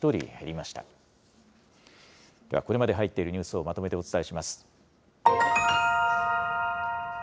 ではこれまで入っているニュースをまとめてお伝えします。